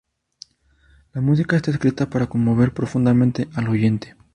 La música está escrita para conmover profundamente al oyente".